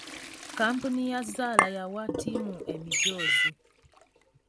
Kkampuni ya zzaala yawa ttiimu emijoozi.